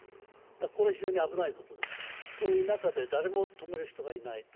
これは非常に危ないことでそういう中で誰も止める人がいない。